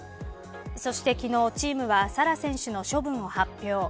そして昨日チームはＳａＲａ選手の処分を発表。